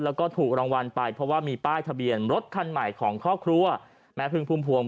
แล้วก็ถูกรางวัลไปเพราะว่ามีป้ายทะเบียนรถคันใหม่ของครอบครัวแม่พึ่งพุ่มพวง